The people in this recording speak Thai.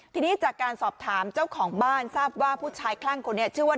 ทีนี้จากการสอบถามเจ้าของบ้านทราบว่าผู้ชายคลั่งคนนี้ชื่อว่า